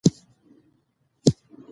انار د افغان ښځو په ژوند کې رول لري.